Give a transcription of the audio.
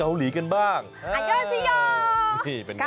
เอาล่ะเดินทางมาถึงในช่วงไฮไลท์ของตลอดกินในวันนี้แล้วนะครับ